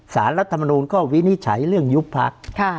สารรัฐมนูญก็วินิจฉัยเรื่องยุคพรรคค่ะ